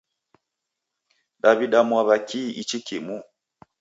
Daw'ida mwaw'a kihi ichi kimu?